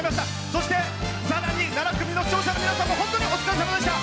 そして、さらに７組の皆さんも本当にお疲れさまでした。